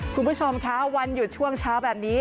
คุณผู้ชมคะวันหยุดช่วงเช้าแบบนี้